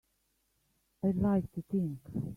I'd like to think.